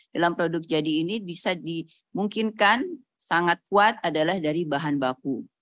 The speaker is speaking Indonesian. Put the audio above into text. dalam produk jadi ini bisa dimungkinkan sangat kuat adalah dari bahan baku